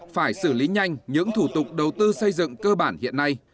phải xử lý nhanh những thủ tục đầu tư xây dựng cơ bản hiện nay